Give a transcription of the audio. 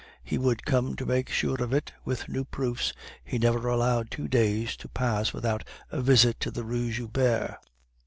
He would come to make sure of it with new proofs; he never allowed two days to pass without a visit to the Rue Joubert.